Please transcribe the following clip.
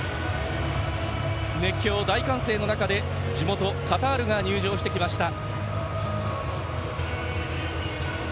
熱狂、大歓声の中で地元カタールが入場してきました。